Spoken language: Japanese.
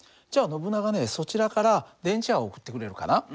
じゃあノブナガねそちらから電磁波を送ってくれるかな。